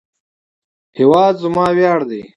هیواد زما ویاړ دی